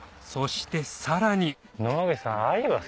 そしてさらに野間口さん。